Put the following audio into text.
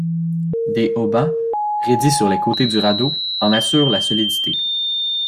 Des haubans, raidis sur les côtés du radeau, en assurent la solidité.